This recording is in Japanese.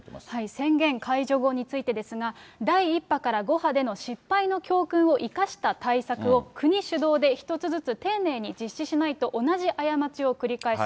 宣言解除後についてですが、第１波から５波での失敗の教訓を生かした対策を国主導で一つずつ丁寧に実施しないと同じ過ちを繰り返す。